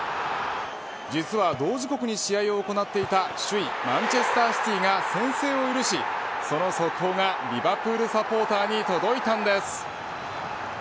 実は同時刻に試合を行っていた首位マンチェスターシティが先制を許しその速報がリヴァプールサポーターに届いたんです。